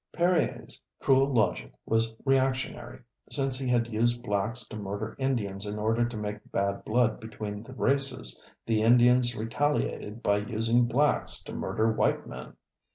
Perier's cruel logic was reactionary. Since he had used blacks to murder Indians in order to make bad blood between the races, the Indians retaliated by using blacks to murder white men.